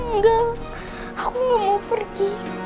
enggak aku mau pergi